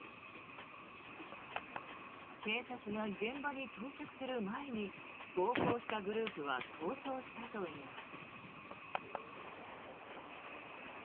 警察が現場に到着する前に暴行したグループは逃走したといいます。